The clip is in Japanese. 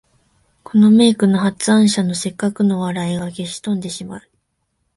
この名句の発案者の折角の笑いが消し飛んでしまう